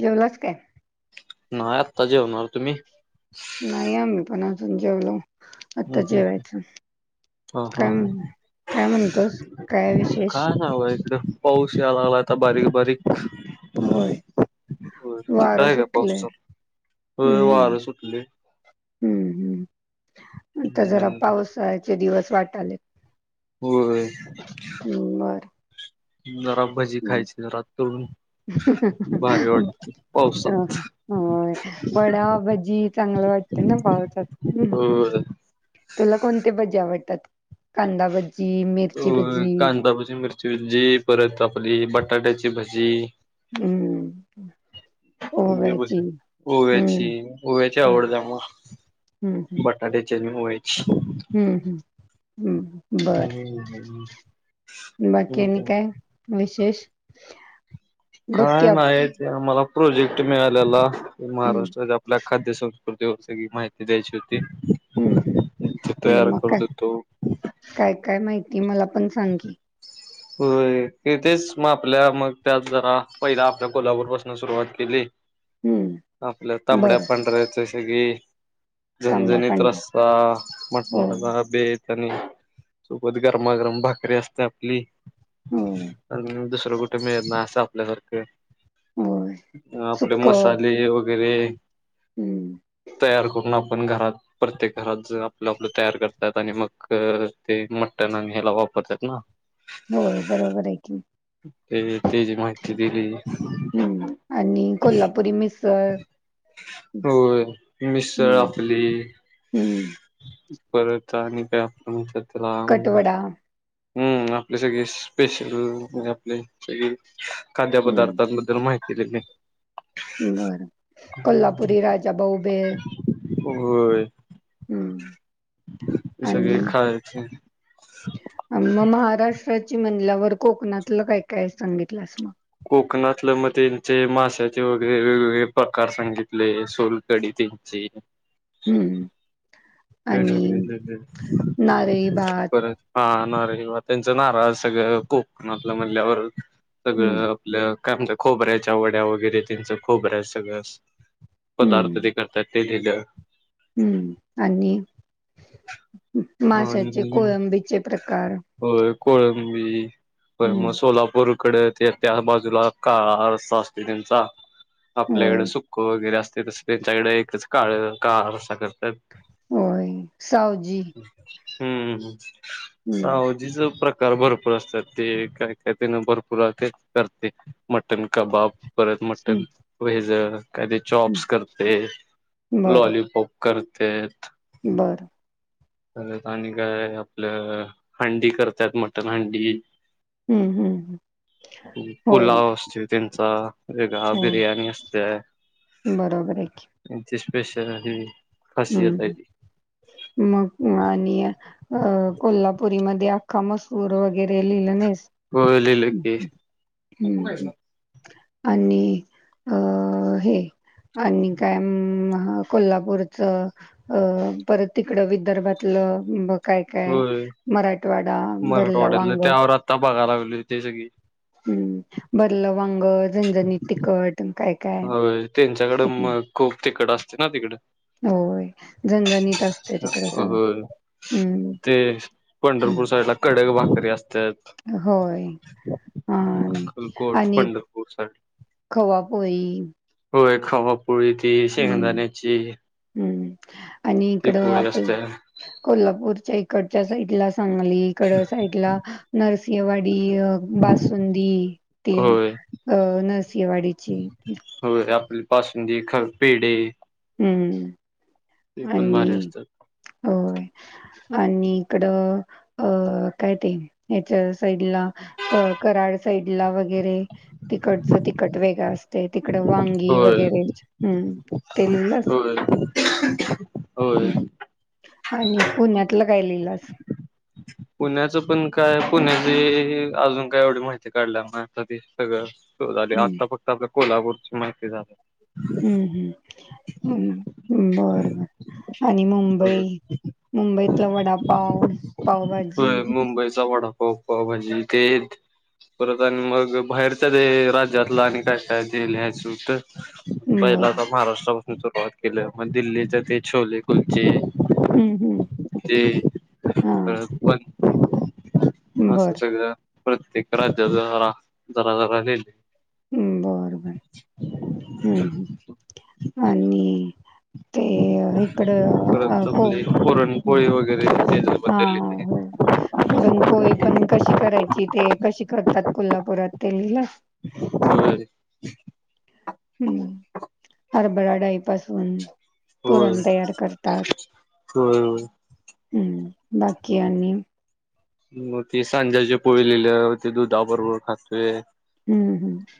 जेवलाच काय नाही आत्ता जेवन नार नाही आम्ही पण अजून जेवलो आता जेवायचं. ह ह काय ह म्हण काय म्हणतोस काय विशेष काय बा पाऊस यालागलाता बारीक बारीक. होय होय तिकडं वारं आहे का सुटलं पाऊस चालू होय वारं हम्म. सुटलंय हम्म हम्मता जरा हम्म पावसाचे दिवस वाट आले. होय जरा भजी हम्म. खायची जरा. तळून भारी वाटते पावसात वडा भजी चांग मला वाटत ना पावसात. हो तुला कोणते भजी आवडतात कांदा भजी अ मिरची भजी कांदाभजी, मिरचीभजी, परत आपली बटाट्याची भजी. हूं! व्यवस हम्म ओव्याची, ओव्याची हम्म आवडता म बटाट्या ची अन ओव्याची हूं हूं हूं! बर हम्म बाकी हम्म आणी काय विशेष बघकी काय आप नाही ते आम्हाला प्रोजेक्ट मिळालेला हम्म महाराष्ट्राच्या आपल्या. खाद्य संस्कृती व सगळी माहिती द्यायची होती हूं ते हूं तयार मग काय, करत होतो. काय, काय माहिती. ती मला पण सांगकी व्हयं तेथेच म आपल्या, मग त्यात जरा पहिला आपल्या कोल्हापूर पासन सुरुवात केली. हम्म आपल्या तांबड्या बरं पांढऱच्या सगी तांबडा झनझणीत पांढरा रस्ता मटणाचा होय जरा बेत सोबत गरमागरम भाकरी असते आपली. होय आणि दुसरं कुठ मिळत ना असं आपल्यासारखं. होय आपले सुक्क मसाले वगैरे. हम्म तयार करु ना आपण घरात प्रत्येक घरात ज आपलं आपलं तयार करतात आणि मग ते मटण आणि ह्याला वाप करतात ना. होय बरोबर आहे की ते ती जी माहिती दिली. हमम आणि कोल्हापुरी मिसळ. होय मिसळ हम्म आपली हम्म परत [unintelligible] कटवडा हम्म आपले सगळे स्पेशल म्हणजे आपले सगळे. हम्म खाद्यपदार्थांबद्दल माहिती दिली. बरं कोल्हापुरी राजा बाऊबे होय. जस आणि देेखावेचे म महाराष्ट्राची म्हनल्यावर कोकणातलं काय काय सांगितलंस मग कोकणातलं मग त्यांचे माश्याचे वगैरे वेगवेगळे प्रकार सांगितले सोलकडीचे [unintelligible] हमम. [unintelligible] नारळी भात किंवा त्यांचा नारळाच सगळ कोकणातलं म्हणल्यावर हम्म सगळं आपल. काय म्हणत खोबऱ्याच्या वड्या वगैरे त्यांचं खोबऱ्या सगळं पदार्थ हम्म ते करतात. [unintelligible] हम्म आणि आणि माश्याचे कोळंबीचे प्रकार मी मग हम्म सोलापूरकडे ते त्या बाजूला काळा रस्सा अस त्यांचा होय आपल्याकडें सुख वगैरे असत. ते त्यांच्याकडे एकच काळ काळ रस्सा करतात. होय सावजी. हमम हम्म सावजीच प्रका प्रकार भरपूर असतात ते काय काय त्ये भरपूर ते करते मटन कबाब परत हम्म मटन भेज काय ते चॉप्स करते हम्म बरं लॉलीपॉप. करतेत. बरं. परत आणि काय आपलं हंडी करतात मटण हंडी हम्म हम्म हम्म. होय पुलाव असते त्यांचा वेगळा हो बिर्याणी असते आहे बरोबर त्यांची स्पेशल. खासियत आहे हम् ती मग. आणि अ कोल्हापुरीमध्ये अख्खा मसूर वगैरे लिहिलं नाहीस. व्हय लिहिलं हम्म की. हम्म आणि अ हे आणि काय अमम कोल्हापूर च अअ परत तिकड विदर्भातलं बघ. काय काय होय मराठवाडा भरलं वांग. लिहिते सगळी. हम्म भरलं वांग, झणझणीत तिखट. काय-काय होय होय त्यांच्याकडं मग खूप तिखट असतय ना तिकडं होय झणझणीत. असतय तिकडं होय. सगळं हमम ते हम. पंढरपूर साईडला कडक भाकरी असतात होय अ खलकोट आणि पंढरपूर साईड. खवापोळी. होय खवापोळी ती हं, शेंगदाण्याची. हं. आणि ती इकडं पोळी आपल्य असते. कोल्हापूरच्या इकडच्या साईडला सांगलीकड साईडला नरसिंहवाडी ती अ बासुंदी ती होय अ नरसिंहवाडीची होय आपली बासुंदी, खव -पेढे हम्म ते पण आणि भारी असतात. होय आणि इकडं अ काय ते, याच्या साईडला कराड साइ कराडला वगैरे तिकडंच तिखट वेगळं असतय ते इकड वांगी वगैरे हम्म.. ते [inaudible] लिहिलास हो होय... होय हं. आणि पुण्यातलं काय लिहिलास? पुण्याचं पण [inaudible] काय पुण्याची अजून काय एवढी माहिती काढल्याली नाही आता ते सगळं होय आणि हम्म आता फक्त आपल्या कोल्हापूरची माहिती झालं हुं हुं.. हम्म.. बर बर आणि होय मुंबई मुंबईतला वडापाव, पावभाजी होय मुंबईचा वडापाव, पावभाजी ते परत आणि मग बाहेरच्या दे- राज्यातलं आणि काय काय ते लिहायच होतं [inaudible] पहिला बरं. तर महाराष्ट्रापासून सुरुवात केली मग दिल्लीच ते छोले कुलचे हुं.. हुं..,. ते हा परत पण असं सगळं प्रत्येक राज्याच जरा -जरा लिहिलंय हम्म. बर बर हुं हुं.. आणि ते इकड अ परत -को आपली पुरणपोळी वगैरे हा त्याच्याबद्दल लिहिलंय. होय पुरण पोळी पण कशी करायची? ते कशी करतात कोल्हापुरात ते लिहिलास [unintelligible] होय हुं हरभरा डाळीपासून होय पुरण तयार करतात होय होय. हम्म बाकी आणि मग ते सांज्याच्या पोळी लिहिल्या ते दुधाबरोबर खातोय, हं,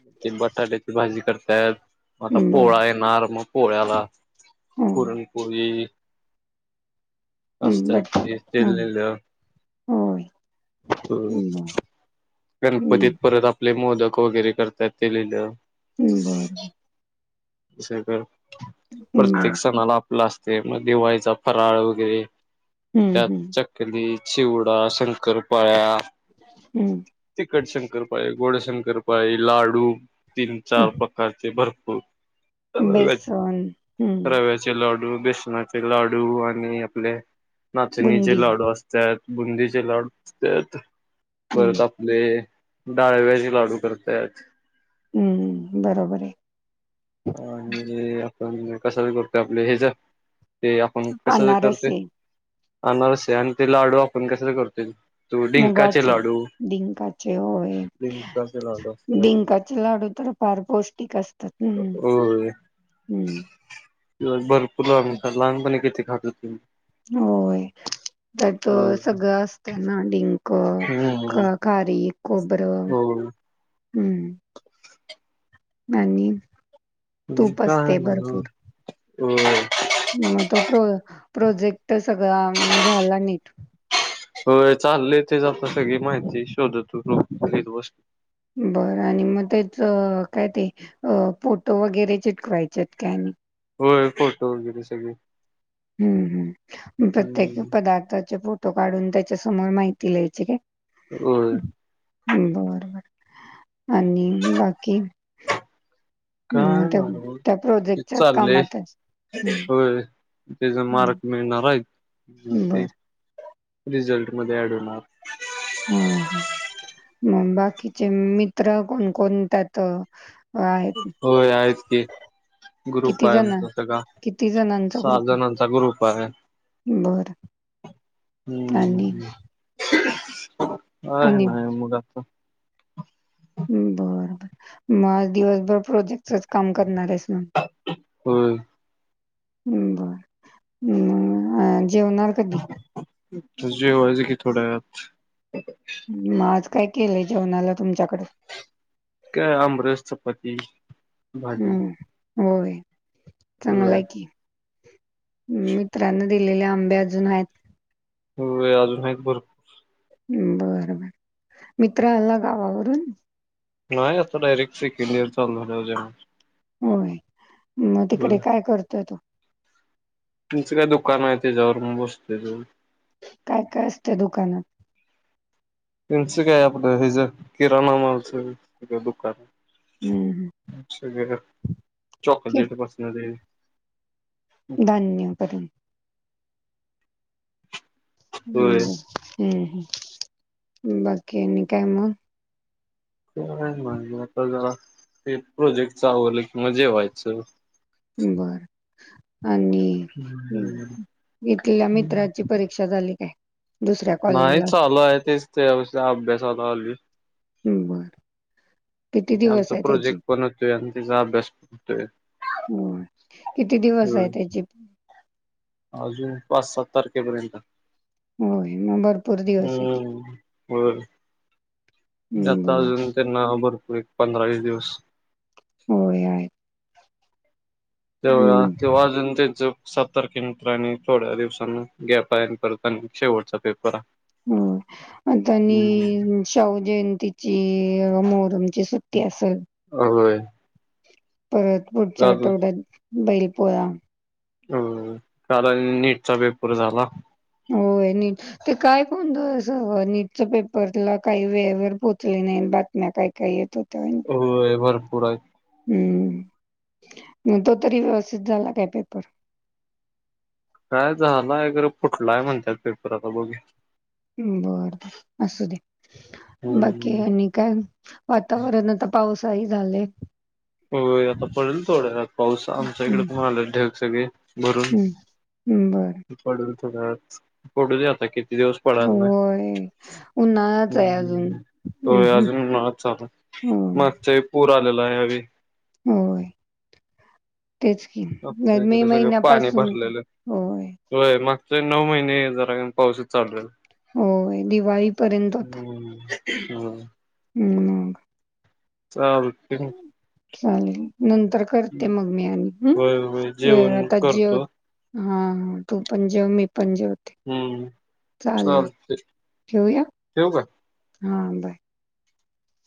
ते बटाट्याची भाजी करत्यात. मग आता हं. बरं. पोळा येणार, मग पोळ्याला हो. पुरणपोळी असत्या बट आपली ते हं. लिहीलं होय होय बरं. गणपतीत हं. परत आपले मोदक वगैरे करत्यात ते लिहिलं. बरं, [inaudible] सगळं प्रत्येक बरं. सणाला आपलं असतय म दिवाळीचा फराळ वगैरे हं, त्यात हं. चकली, चिवडा, शंकरपाळ्या, हम्म तिखट शंकरपाळी, गोड शंकरपाळी, लाडू तीन- चार प्रकारचे, भरपूर रव्याचे बेसन हम्म -रव्याचे लाडू, बेसनाचे लाडू आणि आपले नाचणीचे बुंदी लाडू असत्यात. बुंदीचे लाडू असत्यात, परत हम्म आपल डाळव्याचे लाडू करत्यात. हम्म,, बरोबर आहे. आणि,, आपण कशाच करतो? आपले हेजं.. ते आपण कशाच करतोय? अनारसे आणरसे आणि ते लाडू आपण कशाच करतोय? तो डिंकाचे मुगाचे, लाडू डिंकाचे होय. डिंकाचे लाडू असतात डिंकाचे लाडू तर फार पौष्टिक असतात न होय, [inaudible] भरपूर लाडू लहानपणी किती खात हुतो मी होय, त्यात सगळं असतंय ना डिंक हम्म अ खारिक, खोबरं, होय हम्म.. आणि तूप काय असतय नव्ह भरपूर. होय. [inaudible] मग तो प्रो प्रोजेक्ट सगळा ऽऽझाला नीट. होय चाललेय तेच, आता सगळी माहिती शोधत हुतो. लित बसलोऽऽ बरं आणि मग त्याचऽऽ काय ते अ फोटो वगैरे चिटकवायच्यात काय आणि. होय,, फोटो वगैरे सगळे. हम्म, हम्, प्रत्येक हम्म पदार्थाचे फोटो ऽऽ तो काढून त्याच्यासमोर माहिती ल्यायची काय. होय. बरबर,, आणि बाकी. मग काय, त्या म त्या ते प्रोजेक्टच्याच चाललेय, कामात आहेस? हं, होय. त्याचा हं. मार्क मिळणार आहीत. म ते बरं. रिझल्ट मध्ये ऍड होणार. हा, ह मग बाकीचे मित्र कोण कोण त्यातऽऽ होय आहेच की. ग्रुप किती आहे जण आमचा सगळा,, किती जणांचा सा ग्रुप आहे? जणांचा ग्रुप आहे. बरं हम्म आणि हम्. अ आणि ना मुलाात बर बर,, मग आज दिवसभर प्रोजेक्टचच काम करणार आहेसऽऽ होय. हम् बर हम्,, मम आता जेवायच की थोड्या वेळात. मग आज काय केलंय जेवणाला तुमच्याकडंऽऽ काय आमरस, चपाती, भाजी, हम्म होय,,, चांगलं होय आहे कि. मित्रांन दिलेले आंबे अजून आहेतऽऽ होे अजूनून माहित भरपूर. बर, बर, मित्र आला गावावरून. नाही आता डायरेक्ट सेकंड इयर चालू झाल्यावर ऽऽ होय म,, ग तिकडे काय करतोय तू तुमचं काय दुकान आहे त्याच्यावर म बसतोय जाऊन काय, काय असतय दुकानात. त्यांचं काय आपलं हे जं, किराणा मालचं दुकान. हम्म हम्म. ग ठीक चॉकलेट पासनं तेऽऽ धान्य पर्यंत. ह् होय हम्म ह, बाकी आनी काय मग. काय नाय,, आता जरा ते प्रोजेक्ट च आवरलं की मग जेवायचं. बर. आणि इथल्या मित्राची परीक्षा झाली काय? दुसऱ्या नाही कॉलेजला चालू आहे, तेच ते अ अभ्यासाला आलुय. हम् बर. किती इथं दिवस आमचा आहे त्याची प्रोजेक्ट पण हुतोय आणि तिजा अभ्यास पण हुतोय. होय, किती दिवस आहे त्याची अजून पाच सात तारखेपर्यंत हाय. होयं मग भरपूर दिवस आहे की. हम्म बर जाता हं, अजून तेंना नाव भरपूर पंधरावीस दिवस. होयं हाय. तेवा तेव्हा अजून तेंच सत्तर कि. मीटर हाय आणि थोड्या दिवसानं गॅप हाय न परत आणि शेवटचा पेपर हा हो अनं त्यांनी शाहुजी न तिची मोहर ची सुट्टी असलं. होयं. परत पुढच्या आठवड्यात बैल पोळा. होयं, कारण नीटचा पेपर झाला. होय नीट, ते काय गोंधळ सं नीटच पेपरला काही वेळेवर पोचले नाय, बातम्या काय काय येत होत्या. होयं भरपूर हायत. हम्म म तो तरी व्यवस्थित झाला काय पेपर? काय झालाय, खरं फुटलाय म्हणत्यात पेपर आता बघू या. बर असू दे. बाकी हम्म आणि काय, वातावरण आता पावसाळी झालंय. होयं, आता पडलं थोड्या वेळात पाऊस, आमच्याकडं हं, पण आलेत ढग सगळे, भरून. हम्म बरं. त्येला पडू दे आता कित किती दिवस पडालं नाही, होय. उन्हाळाच आहे अजून. हूं हं, होय, हं. अजून म [unintelligible] चालू मागच्या वेळी पूर आलेला, ह्यावेळी होयं. तेच की, आपल्या मे इकडे सगळं पाणी महिन्यापासून, होय. तरी नऊ महिने जरा [unintelligible] कमी पाऊसच चालू हाय. हो, दिवाळीपर्यंत होता. हो. हम्म. चालतं ठेवू मग. चालेल नंतर करते मग मी आणि हम्म. होय होय वेळ जेवण आता जेव, करतो हा तू पण जेव मी पण जेवते. हम्म चालेल चालते ठीवूया, ठेवू का हा बाय.